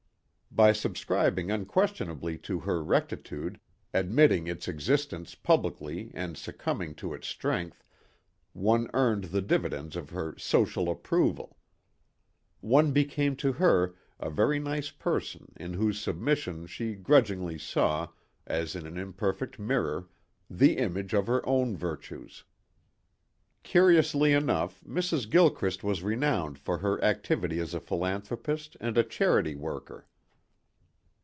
By subscribing unquestionably to her rectitude, admitting its existence publicly and succumbing to its strength, one earned the dividends of her social approval. One became to her a very nice person in whose submission she grudgingly saw, as in an imperfect mirror, the image of her own virtues. Curiously enough, Mrs. Gilchrist was renowned for her activity as a philanthropist and charity worker.